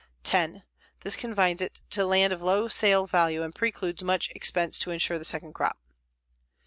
10. This confines it to land of low sale value and precludes much expense to insure the second crop.